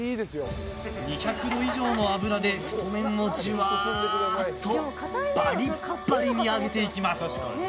２００度以上の油で太麺をジュワーッとバリッバリに揚げていきます。